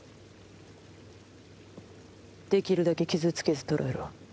できるだけ傷つけず捕らえろ。